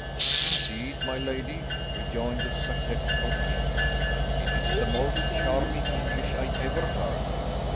"Indeed, my lady," rejoined the susceptible king, "it is the most charming English I ever heard."